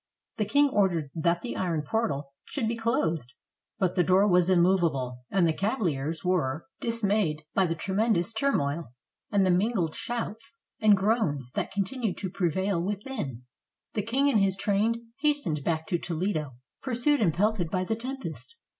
The king ordered that the iron portal should be closed, but the door was immovable, and the cavaliers were dismayed by the tremendous turmoil, and the mingled shouts and groans that continued to prevail within. The king and his train hastened back to Toledo, pur sued and pelted by the tempest.